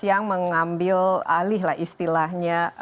yang mengambil alihlah istilahnya